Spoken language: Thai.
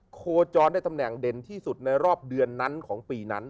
โคจรได้ตำแหน่งเด่นที่สุดในรอบเดือนนั้นของปีนั้น